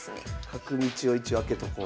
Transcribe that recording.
角道を一応開けとこう。